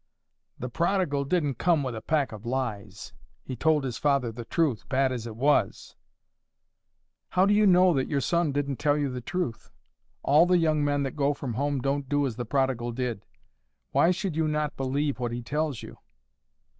"The prodigal didn't come with a pack of lies. He told his father the truth, bad as it was." "How do you know that your son didn't tell you the truth? All the young men that go from home don't do as the prodigal did. Why should you not believe what he tells you?"